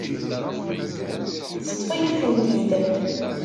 Teṭṭef-iyi-tent-id.